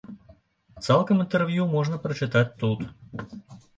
Цалкам інтэрв'ю можна прачытаць тут.